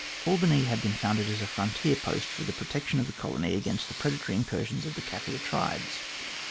Albany had been founded as a frontier post for the protection of the colony against the predatory incursions of the Kaffir tribes.